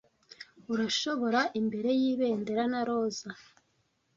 urashobora imbere yibendera na roza